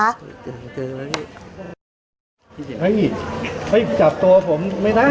เฮ้ยเฮ้ยจับตัวผมไม่ได้